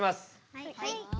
はい。